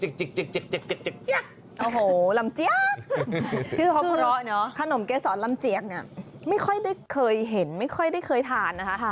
โอ้โหลำเจี๊ยกชื่อเขาเพราะเนอะขนมเกษรลำเจียกเนี่ยไม่ค่อยได้เคยเห็นไม่ค่อยได้เคยทานนะคะ